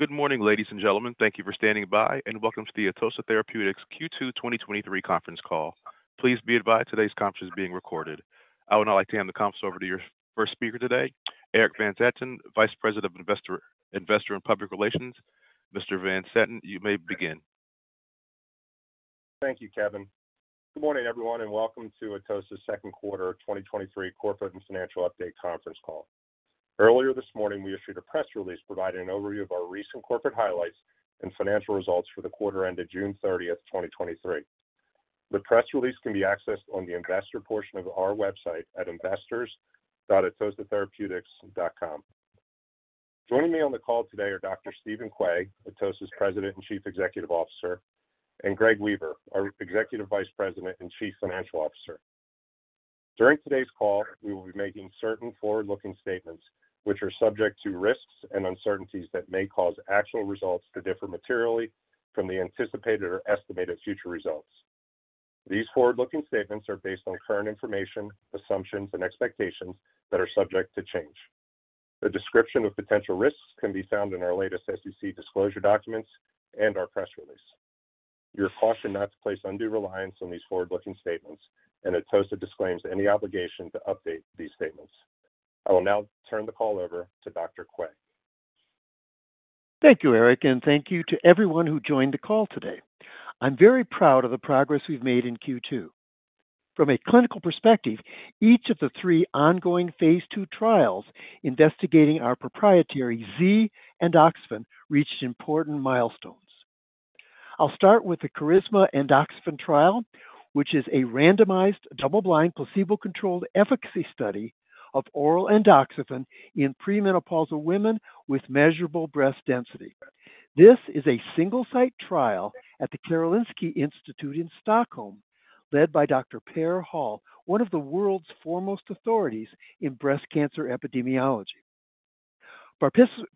Good morning, ladies and gentlemen. Thank you for standing by, welcome to the Atossa Therapeutics Q2 2023 conference call. Please be advised today's conference is being recorded. I would now like to hand the conference over to your first speaker today, Eric Van Zanten, Vice President of Investor and Public Relations. Mr. Van Zanten, you may begin. Thank you, Kevin. Good morning, everyone, and welcome to Atossa's 2Q 2023 corporate and financial update conference call. Earlier this morning, we issued a press release providing an overview of our recent corporate highlights and financial results for the quarter ended June 30th, 2023. The press release can be accessed on the Investor portion of our website at investors.atossatherapeutics.com. Joining me on the call today are Dr. Steven Quay, Atossa's President and Chief Executive Officer, and Greg Weaver, our Executive Vice President and Chief Financial Officer. During today's call, we will be making certain forward-looking statements which are subject to risks and uncertainties that may cause actual results to differ materially from the anticipated or estimated future results. These forward-looking statements are based on current information, assumptions, and expectations that are subject to change. A description of potential risks can be found in our latest SEC disclosure documents and our press release. You're cautioned not to place undue reliance on these forward-looking statements, and Atossa disclaims any obligation to update these statements. I will now turn the call over to Dr. Quay. Thank you, Eric, thank you to everyone who joined the call today. I'm very proud of the progress we've made in Q2. From a clinical perspective, each of the three ongoing phase II trials investigating our proprietary (Z)-endoxifen reached important milestones. I'll start with the KARISMA Endoxifen trial, which is a randomized, double-blind, placebo-controlled efficacy study of oral Endoxifen in premenopausal women with measurable breast density. This is a single-site trial at the Karolinska Institutet in Stockholm, led by Dr. Per Hall, one of the world's foremost authorities in breast cancer epidemiology.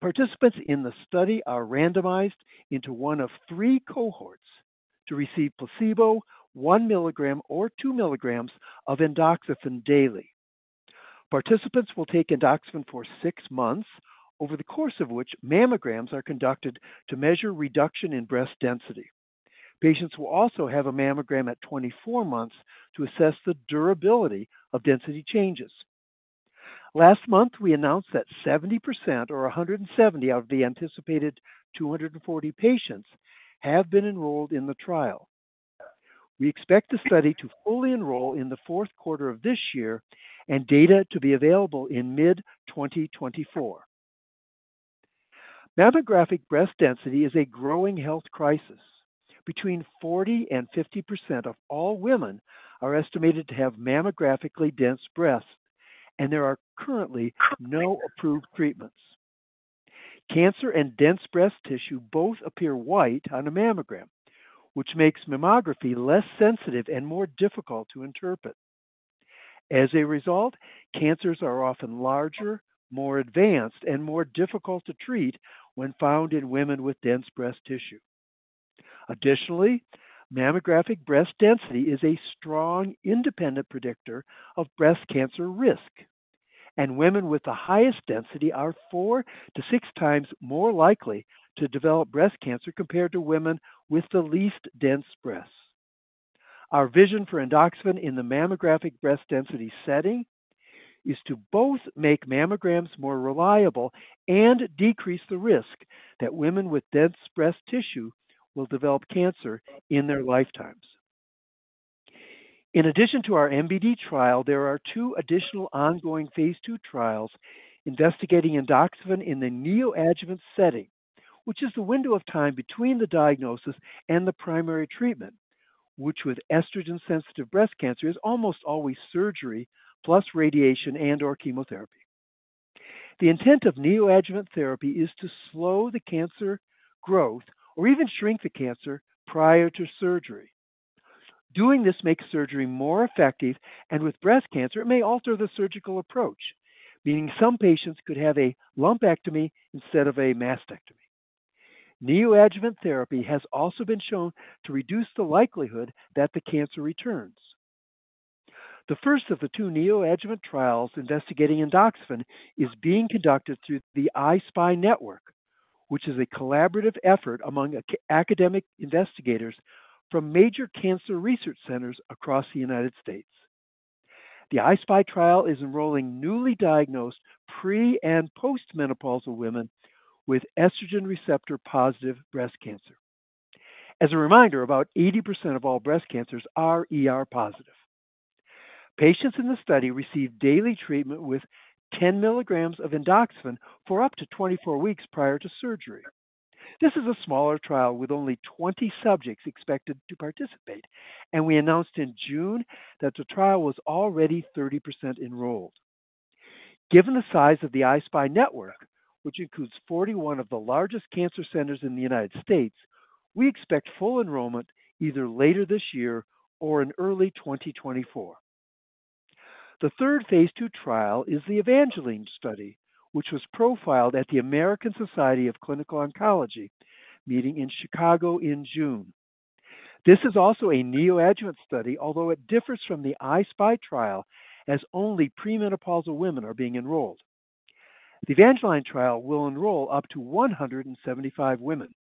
Participants in the study are randomized into one of three cohorts to receive placebo, 1 mg or 2 mg of Endoxifen daily. Participants will take Endoxifen for six months, over the course of which mammograms are conducted to measure reduction in breast density. Patients will also have a mammogram at 24 months to assess the durability of density changes. Last month, we announced that 70% or 170 out of the anticipated 240 patients have been enrolled in the trial. We expect the study to fully enroll in the fourth quarter of this year and data to be available in mid-2024. Mammographic breast density is a growing health crisis. Between 40%-50% of all women are estimated to have mammographically dense breasts, and there are currently no approved treatments. Cancer and dense breast tissue both appear white on a mammogram, which makes mammography less sensitive and more difficult to interpret. As a result, cancers are often larger, more advanced, and more difficult to treat when found in women with dense breast tissue. Additionally, mammographic breast density is a strong independent predictor of breast cancer risk, and women with the highest density are four to six times more likely to develop breast cancer compared to women with the least dense breasts. Our vision for Endoxifen in the mammographic breast density setting is to both make mammograms more reliable and decrease the risk that women with dense breast tissue will develop cancer in their lifetimes. In addition to our MBD trial, there are two additional ongoing phase II trials investigating Endoxifen in the neoadjuvant setting, which is the window of time between the diagnosis and the primary treatment, which with estrogen-sensitive breast cancer, is almost always surgery plus radiation and/or chemotherapy. The intent of neoadjuvant therapy is to slow the cancer growth or even shrink the cancer prior to surgery. Doing this makes surgery more effective, and with breast cancer, it may alter the surgical approach, meaning some patients could have a lumpectomy instead of a mastectomy. Neoadjuvant therapy has also been shown to reduce the likelihood that the cancer returns. The first of the two neoadjuvant trials investigating Endoxifen is being conducted through the I-SPY Network, which is a collaborative effort among academic investigators from major cancer research centers across the United States. The I-SPY trial is enrolling newly diagnosed pre- and postmenopausal women with estrogen receptor-positive breast cancer. As a reminder, about 80% of all breast cancers are ER positive. Patients in the study receive daily treatment with 10 mg of Endoxifen for up to 24 weeks prior to surgery. This is a smaller trial with only 20 subjects expected to participate, and we announced in June that the trial was already 30% enrolled. Given the size of the I-SPY Network, which includes 41 of the largest cancer centers in the United States, we expect full enrollment either later this year or in early 2024. The third phase II trial is the EVANGELINE Study, which was profiled at the American Society of Clinical Oncology meeting in Chicago in June. This is also a neoadjuvant study, although it differs from the I-SPY trial, as only premenopausal women are being enrolled. The EVANGELINE trial will enroll up to 175 women.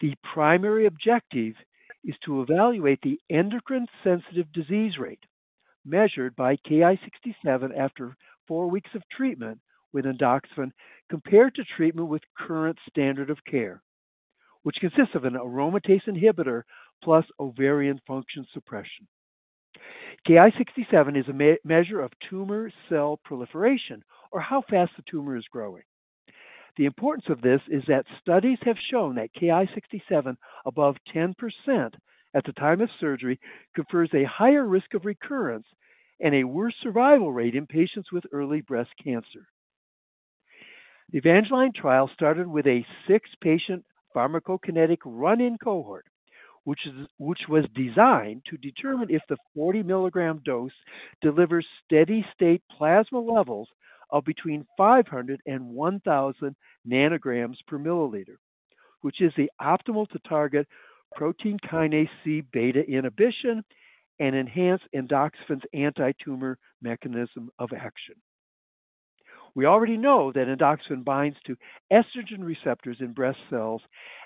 The primary objective is to evaluate the endocrine sensitive disease rate measured by KI67 after four weeks of treatment with Endoxifen, compared to treatment with current standard of care, which consists of an aromatase inhibitor plus ovarian function suppression. KI67 is a measure of tumor cell proliferation or how fast the tumor is growing. The importance of this is that studies have shown that KI67 above 10% at the time of surgery confers a higher risk of recurrence and a worse survival rate in patients with early breast cancer. The EVANGELINE trial started with a six-patient pharmacokinetic run-in cohort, which was designed to determine if the 40 mg dose delivers steady state plasma levels of between 500 ng/ml and 1,000 ng/mL, which is the optimal to target protein kinase C beta inhibition and enhance Endoxifen's anti-tumor mechanism of action. We already know that Endoxifen binds to estrogen receptors in breast cells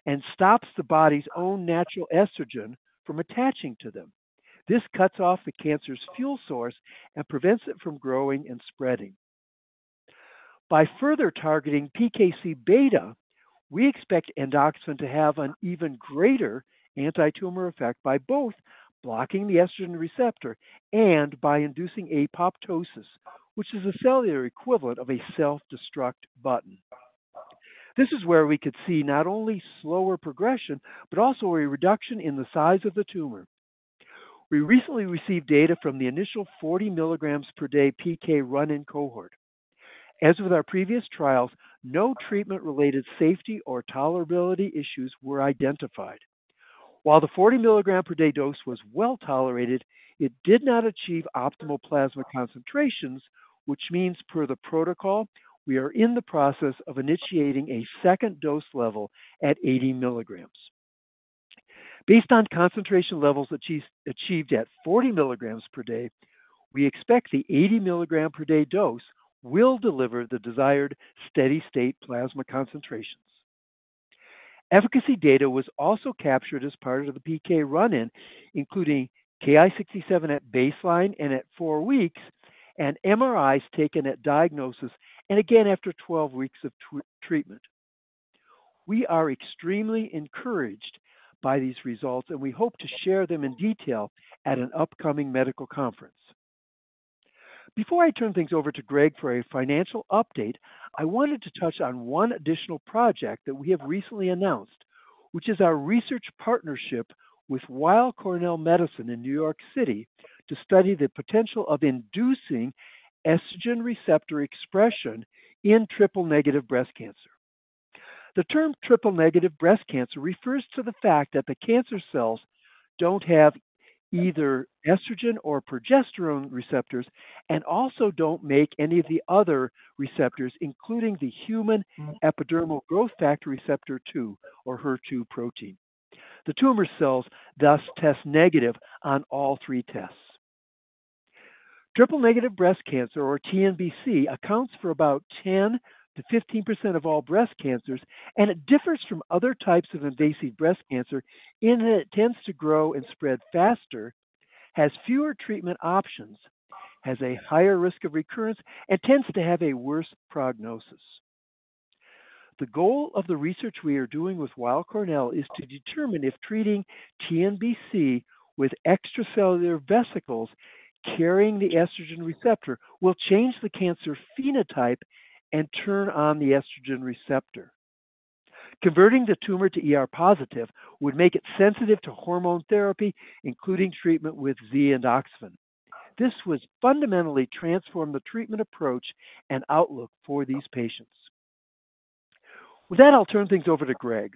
and stops the body's own natural estrogen from attaching to them. This cuts off the cancer's fuel source and prevents it from growing and spreading. By further targeting PKCβ, we expect Endoxifen to have an even greater anti-tumor effect by both blocking the estrogen receptor and by inducing apoptosis, which is a cellular equivalent of a self-destruct button. This is where we could see not only slower progression, but also a reduction in the size of the tumor. We recently received data from the initial 40 mg per day PK run-in cohort. As with our previous trials, no treatment-related safety or tolerability issues were identified. While the 40 mg per day dose was well-tolerated, it did not achieve optimal plasma concentrations, which means, per the protocol, we are in the process of initiating a second dose level at 80 mg. Based on concentration levels achieved at 40 mg per day, we expect the 80 mg per day dose will deliver the desired steady-state plasma concentrations. Efficacy data was also captured as part of the PK run-in, including KI67 at baseline and at four weeks, and MRIs taken at diagnosis and again after 12 weeks of treatment. We are extremely encouraged by these results, and we hope to share them in detail at an upcoming medical conference. Before I turn things over to Greg for a financial update, I wanted to touch on one additional project that we have recently announced, which is our research partnership with Weill Cornell Medicine in New York City to study the potential of inducing estrogen receptor expression in Triple-negative breast cancer. The term Triple-negative breast cancer refers to the fact that the cancer cells don't have either estrogen or progesterone receptors and also don't make any of the other receptors, including the human epidermal growth factor receptor 2 or HER2 protein. The tumor cells thus test negative on all three tests. Triple-negative breast cancer, or TNBC, accounts for about 10%-15% of all breast cancers, and it differs from other types of invasive breast cancer in that it tends to grow and spread faster, has fewer treatment options, has a higher risk of recurrence, and tends to have a worse prognosis. The goal of the research we are doing with Weill Cornell Medicine is to determine if treating TNBC with extracellular vesicles carrying the estrogen receptor will change the cancer phenotype and turn on the estrogen receptor. Converting the tumor to ER positive would make it sensitive to hormone therapy, including treatment with (Z)-endoxifen. This would fundamentally transform the treatment approach and outlook for these patients. With that, I'll turn things over to Greg.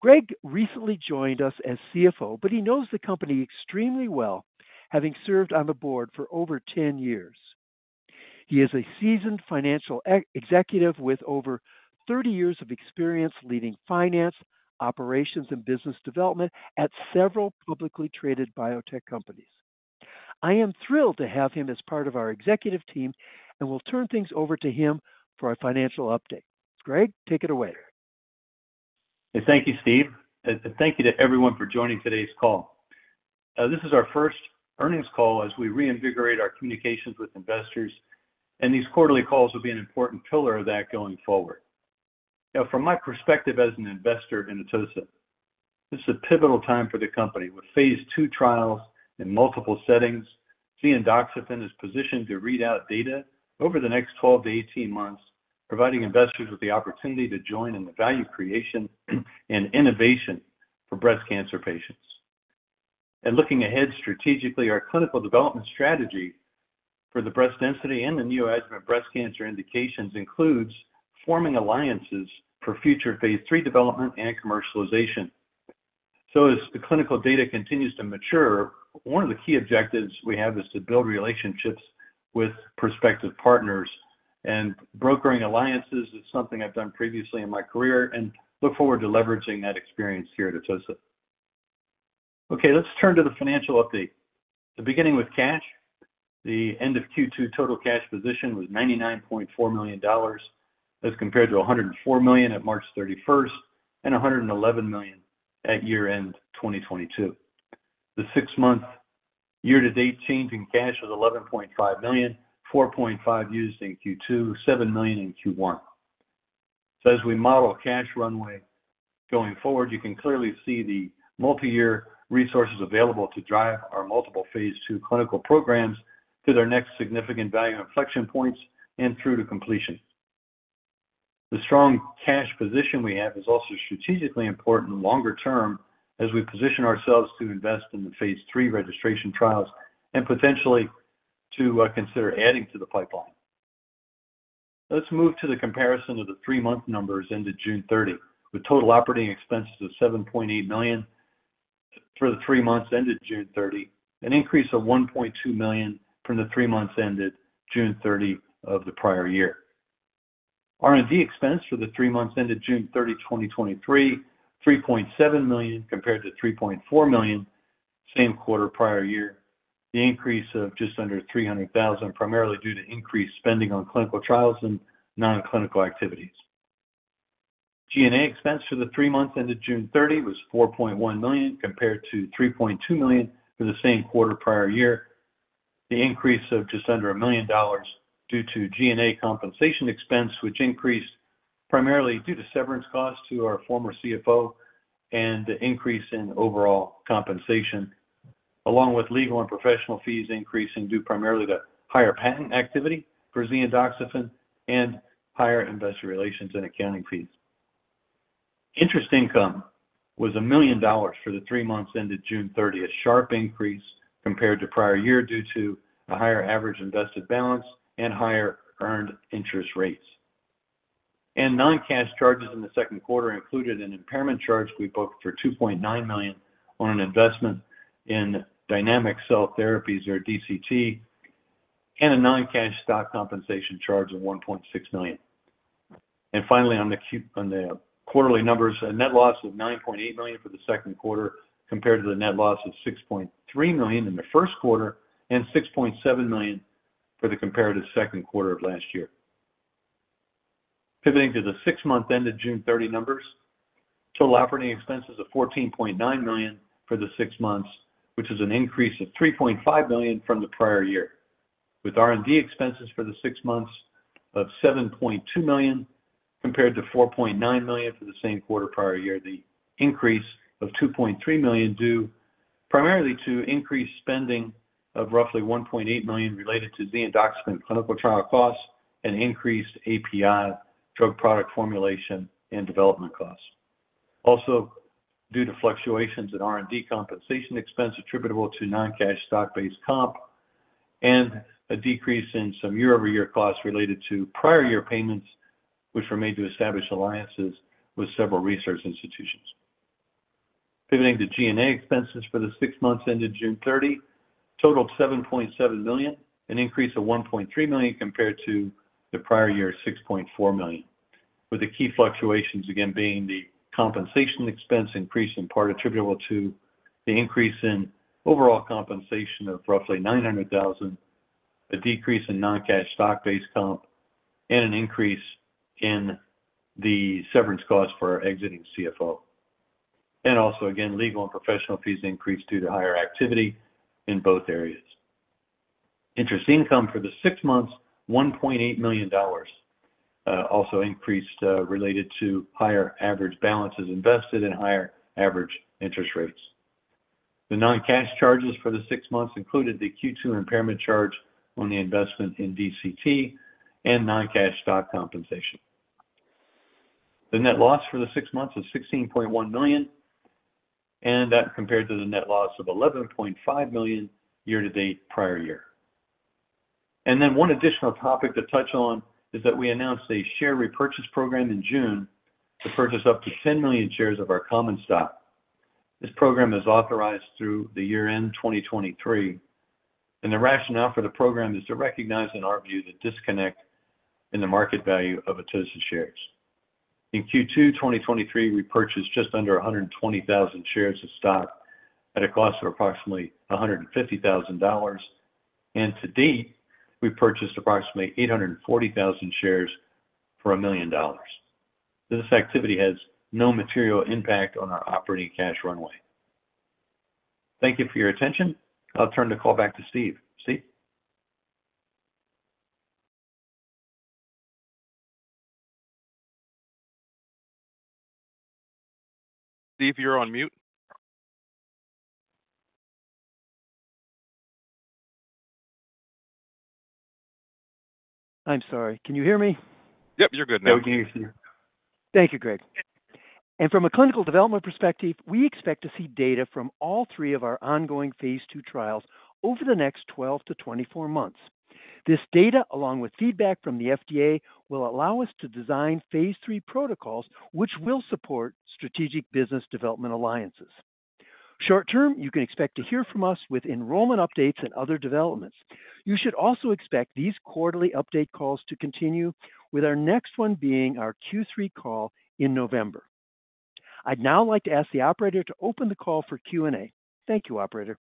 Greg recently joined us as CFO, he knows the company extremely well, having served on the board for over 10 years. He is a seasoned financial executive with over 30 years of experience leading finance, operations, and business development at several publicly traded biotech companies. I am thrilled to have him as part of our executive team, we'll turn things over to him for our financial update. Greg, take it away. Thank you, Steve, and thank you to everyone for joining today's call. This is our first earnings call as we reinvigorate our communications with investors, and these quarterly calls will be an important pillar of that going forward. From my perspective as an investor in Atossa, this is a pivotal time for the company. With phase II trials in multiple settings, (Z)-endoxifen is positioned to read out data over the next 12 to 18 months, providing investors with the opportunity to join in the value creation and innovation for breast cancer patients. Looking ahead strategically, our clinical development strategy for the breast density and the neoadjuvant breast cancer indications includes forming alliances for future phase III development and commercialization. As the clinical data continues to mature, one of the key objectives we have is to build relationships with prospective partners and brokering alliances is something I've done previously in my career, and look forward to leveraging that experience here at Atossa. Okay, let's turn to the financial update. The beginning with cash, the end of Q2 total cash position was $99.4 million, as compared to $104 million at March 31st, and $111 million at year-end 2022. The six-month year-to-date change in cash was $11.5 million, $4.5 million used in Q2, $7 million in Q1. As we model cash runway going forward, you can clearly see the multiyear resources available to drive our multiple phase II clinical programs to their next significant value inflection points and through to completion. The strong cash position we have is also strategically important longer term, as we position ourselves to invest in the phase III registration trials and potentially to consider adding to the pipeline. Let's move to the comparison of the three-month numbers into June 30, with total operating expenses of $7.8 million for the three months ended June 30, an increase of $1.2 million from the three months ended June 30 of the prior year. R&D expense for the three months ended June 30, 2023, $3.7 million, compared to $3.4 million, same quarter prior year. The increase of just under $300,000, primarily due to increased spending on clinical trials and non-clinical activities. G&A expense for the three months ended June 30 was $4.1 million, compared to $3.2 million for the same quarter prior year. The increase of just under $1 million due to G&A compensation expense, which increased primarily due to severance costs to our former CFO and the increase in overall compensation, along with legal and professional fees increasing due primarily to higher patent activity for (Z)-endoxifen and higher investor relations and accounting fees. Interest income was $1 million for the three months ended June 30. Sharp increase compared to prior year, due to a higher average invested balance and higher earned interest rates. Non-cash charges in Q2 included an impairment charge we booked for $2.9 million on an investment in Dynamic Cell Therapies, or DCT, and a non-cash stock compensation charge of $1.6 million. Finally, on the quarterly numbers, a net loss of $9.8 million for the second quarter, compared to the net loss of $6.3 million in the first quarter and $6.7 million for the comparative second quarter of last year. Pivoting to the six months ended June 30 numbers, total operating expenses of $14.9 million for the six months, which is an increase of $3.5 million from the prior year, with R&D expenses for the six months of $7.2 million, compared to $4.9 million for the same quarter prior year. The increase of $2.3 million due primarily to increased spending of roughly $1.8 million related to (Z)-endoxifen clinical trial costs and increased API drug product formulation and development costs. Due to fluctuations in R&D compensation expense attributable to non-cash stock-based comp and a decrease in some year-over-year costs related to prior year payments, which were made to establish alliances with several research institutions. Pivoting to G&A expenses for the six months ended June 30, totaled $7.7 million, an increase of $1.3 million compared to the prior year's $6.4 million, with the key fluctuations again being the compensation expense increase, in part attributable to the increase in overall compensation of roughly $900,000, a decrease in non-cash stock-based comp, and an increase in the severance costs for our exiting CFO. Again, legal and professional fees increased due to higher activity in both areas. Interest income for the six months, $1.8 million, also increased, related to higher average balances invested and higher average interest rates. The non-cash charges for the six months included the Q2 impairment charge on the investment in DCT and non-cash stock compensation. The net loss for the six months is $16.1 million, that compared to the net loss of $11.5 million year-to-date prior year. Then one additional topic to touch on is that we announced a share repurchase program in June to purchase up to 10 million shares of our common stock. This program is authorized through the year-end 2023, the rationale for the program is to recognize, in our view, the disconnect in the market value of Atossa shares. In Q2 2023, we purchased just under 120,000 shares of stock at a cost of approximately $150,000, to date, we've purchased approximately 840,000 shares for $1 million. This activity has no material impact on our operating cash runway. Thank you for your attention. I'll turn the call back to Steve. Steve? Steve, you're on mute. I'm sorry. Can you hear me? Yep, you're good now. We can hear you. Thank you, Greg. From a clinical development perspective, we expect to see data from all three of our ongoing phase II trials over the next 12-24 months. This data, along with feedback from the FDA, will allow us to design phase III protocols, which will support strategic business development alliances. Short term, you can expect to hear from us with enrollment updates and other developments. You should also expect these quarterly update calls to continue, with our next one being our Q3 call in November. I'd now like to ask the operator to open the call for Q&A. Thank you, operator.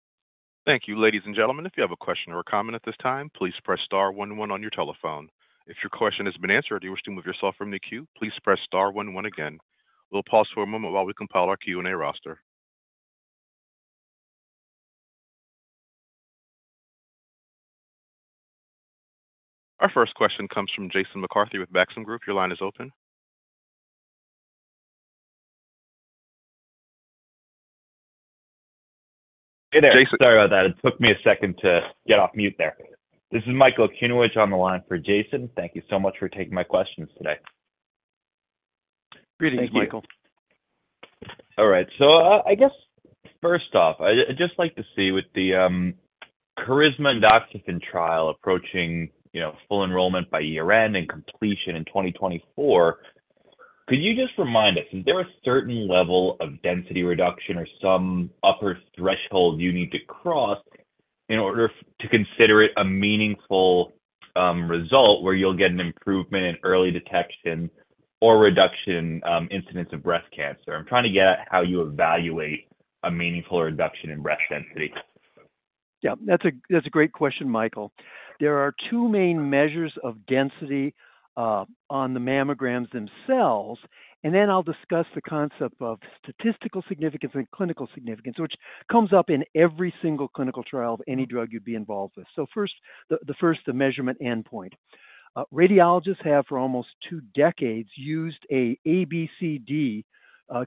Thank you, ladies and gentlemen. If you have a question or a comment at this time, please press star one one on your telephone. If your question has been answered, or you wish to remove yourself from the queue, please press star one one again. We'll pause for a moment while we compile our Q&A roster. Our first question comes from Jason McCarthy with Maxim Group. Your line is open. Jason? Hey there. Sorry about that. It took me a second to get off mute there. This is Michael Okunewitch on the line for Jason. Thank you so much for taking my questions today. Greetings, Michael. All right. I guess first off, I'd just like to see with the KARISMA and Endoxifen trial approaching, you know, full enrollment by year-end and completion in 2024, could you just remind us, is there a certain level of density reduction or some upper threshold you need to cross in order to consider it a meaningful result, where you'll get an improvement in early detection or reduction incidence of breast cancer? I'm trying to get at how you evaluate a meaningful reduction in breast density. Yeah, that's a great question, Michael. There are two main measures of density on the mammograms themselves, then I'll discuss the concept of statistical significance and clinical significance, which comes up in every single clinical trial of any drug you'd be involved with. First, the measurement endpoint. Radiologists have, for almost two decades, used a ABCD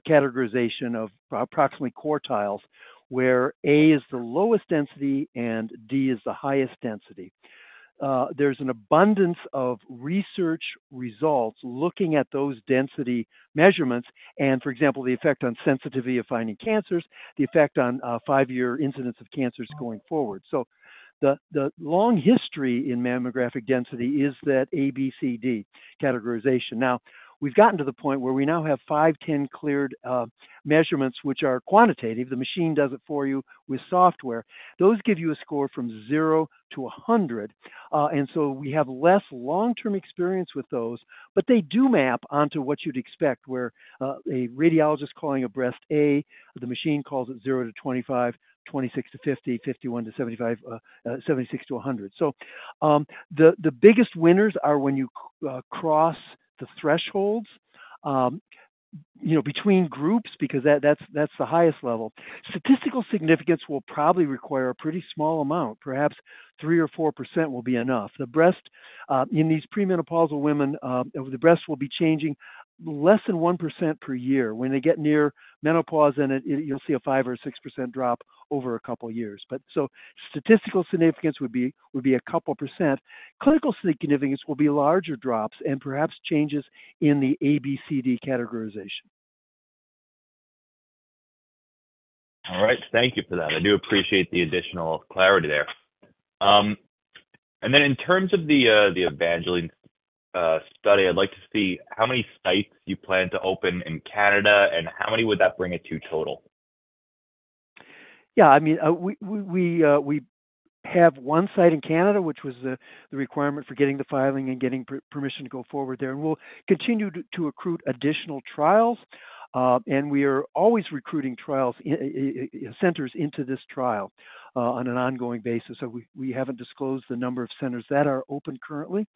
categorization of approximately quartiles, where A is the lowest density and D is the highest density. There's an abundance of research results looking at those density measurements and, for example, the effect on sensitivity of finding cancers, the effect on five-year incidence of cancers going forward. The long history in mammographic density is that ABCD categorization. Now, we've gotten to the point where we now have five, 10 cleared measurements, which are quantitative. The machine does it for you with software. Those give you a score from zero to 100, and so we have less long-term experience with those, but they do map onto what you'd expect, where a radiologist calling a breast A, the machine calls it zero to 25, 26 to 50, 51 to 75, 76 to 100. The biggest winners are when you cross the thresholds, you know, between groups, because that, that's, that's the highest level. Statistical significance will probably require a pretty small amount. Perhaps 3% or 4% will be enough. The breast in these premenopausal women, the breast will be changing less than 1% per year. When they get near menopause, then it, you'll see a 5% or 6% drop over a couple of years. Statistical significance would be a couple percent. Clinical significance will be larger drops and perhaps changes in the ABCD categorization. All right. Thank you for that. I do appreciate the additional clarity there. In terms of the EVANGELINE study, I'd like to see how many sites you plan to open in Canada, and how many would that bring it to total? Yeah, I mean, we, we, we, we have one site in Canada, which was the, the requirement for getting the filing and getting permission to go forward there. We'll continue to, to recruit additional trials, and we are always recruiting trials, centers into this trial, on an ongoing basis. We, we haven't disclosed the number of centers that are open currently,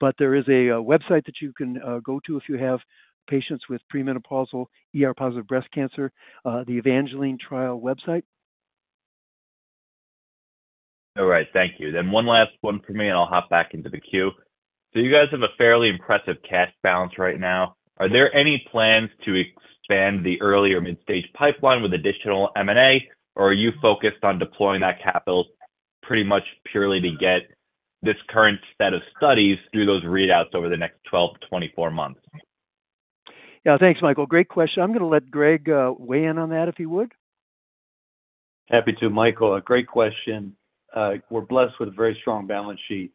but there is a website that you can go to if you have patients with premenopausal ER-positive breast cancer, the EVANGELINE trial website. All right. Thank you. One last one for me, and I'll hop back into the queue. You guys have a fairly impressive cash balance right now. Are there any plans to expand the earlier midstage pipeline with additional M&A, or are you focused on deploying that capital pretty much purely to get this current set of studies through those readouts over the next 12 to 24 months? Yeah. Thanks, Michael. Great question. I'm gonna let Greg weigh in on that, if he would. Happy to, Michael. A great question. We're blessed with a very strong balance sheet,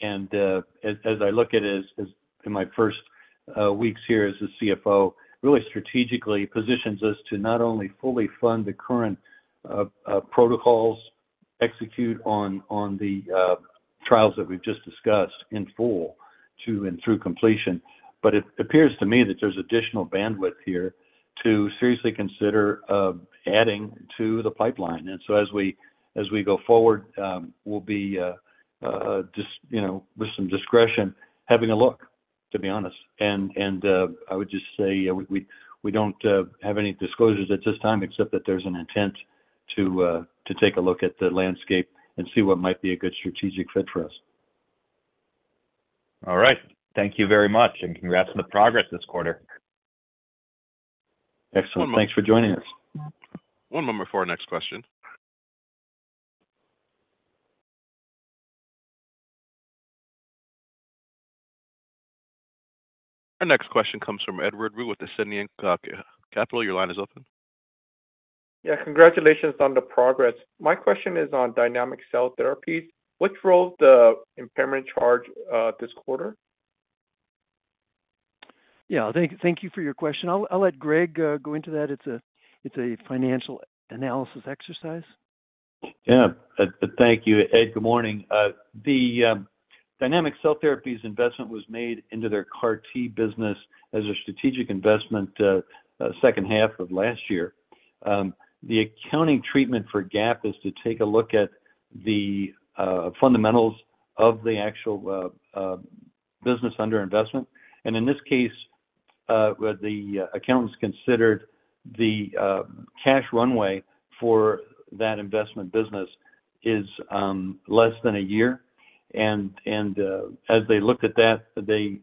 and, as, as I look at it, as, as in my first weeks here as the CFO, really strategically positions us to not only fully fund the current protocols, execute on, on the trials that we've just discussed in full to and through completion, but it appears to me that there's additional bandwidth here to seriously consider adding to the pipeline. As we, as we go forward, we'll be, just, you know, with some discretion, having a look, to be honest. I would just say, you know, we, we, we don't have any disclosures at this time, except that there's an intent to take a look at the landscape and see what might be a good strategic fit for us. All right. Thank you very much. Congrats on the progress this quarter. Excellent. Thanks for joining us. One moment before our next question. Our next question comes from Edward Woo with Ascendiant Capital Markets. Your line is open. Yeah, congratulations on the progress. My question is on Dynamic Cell Therapies. Which drove the impairment charge, this quarter? Yeah, thank, thank you for your question. I'll, I'll let Greg go into that. It's a, it's a financial analysis exercise. Yeah. Thank you, Ed. Good morning. The Dynamic Cell Therapies investment was made into their CAR T business as a strategic investment, second half of last year. The accounting treatment for GAAP is to take a look at the fundamentals of the actual business under investment. In this case, well, the accountants considered the cash runway for that investment business is less than a year. As they looked at that, they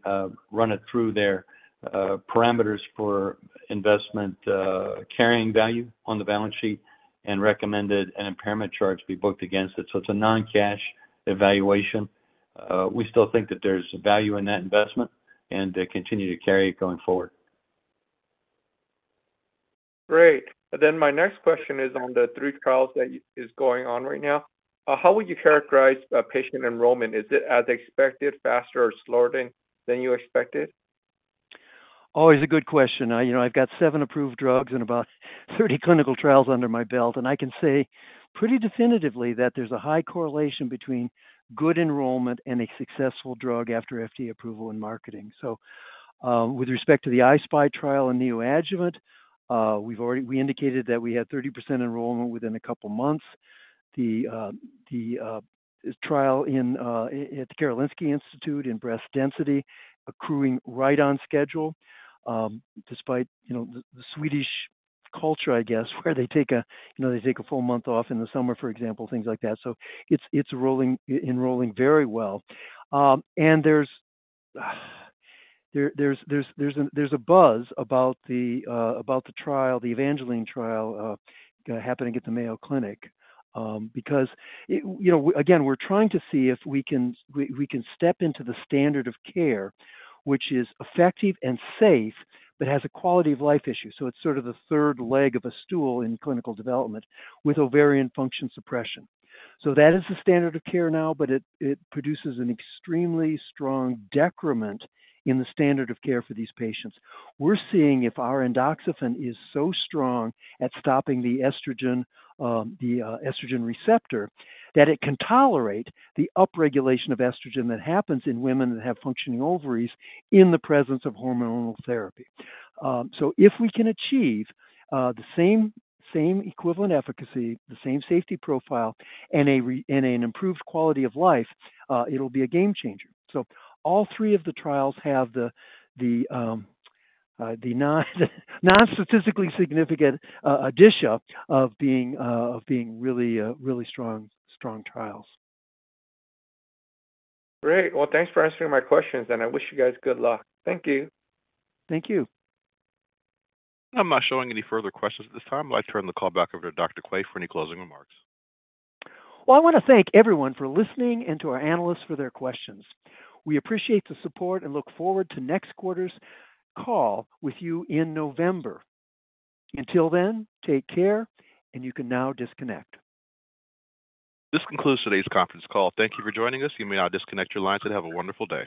run it through their parameters for investment, carrying value on the balance sheet and recommended an impairment charge be booked against it. It's a non-cash evaluation. We still think that there's value in that investment, and they continue to carry it going forward. Great. My next question is on the three trials that is going on right now. How would you characterize patient enrollment? Is it as expected, faster or slower than, than you expected? Always a good question. You know, I've got seven approved drugs and about 30 clinical trials under my belt, and I can say pretty definitively that there's a high correlation between good enrollment and a successful drug after FDA approval and marketing. With respect to the I-SPY trial and neoadjuvant, we've already... We indicated that we had 30% enrollment within a couple of months. The, the, trial in, at the Karolinska Institutet in breast density, accruing right on schedule, despite, you know, the, the Swedish culture, I guess, where they take a, you know, they take a full month off in the summer, for example, things like that. It's, it's rolling, enrolling very well. And there's a buzz about the trial, the EVANGELINE trial, happening at the Mayo Clinic. Because, you know, again, we're trying to see if we can, we, we can step into the standard of care, which is effective and safe, but has a quality of life issue. It's sort of the third leg of a stool in clinical development with ovarian function suppression. That is the standard of care now, but it, it produces an extremely strong decrement in the standard of care for these patients. We're seeing if our Endoxifen is so strong at stopping the estrogen, the estrogen receptor, that it can tolerate the upregulation of estrogen that happens in women that have functioning ovaries in the presence of hormonal therapy. If we can achieve the same equivalent efficacy, the same safety profile, and an improved quality of life, it'll be a game changer. All three of the trials have the non-statistically significant dish up of being really strong trials. Great. Well, thanks for answering my questions, and I wish you guys good luck. Thank you. Thank you. I'm not showing any further questions at this time. I'd like to turn the call back over to Dr. Quay for any closing remarks. I wanna thank everyone for listening and to our analysts for their questions. We appreciate the support and look forward to next quarter's call with you in November. Until then, take care. You can now disconnect. This concludes today's conference call. Thank you for joining us. You may now disconnect your lines and have a wonderful day.